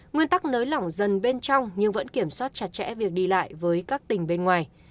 nguyên tắc nới lỏng dần bên trong nhưng vẫn kiểm soát chặt chẽ việc đi lại với các tỉnh bên ngoài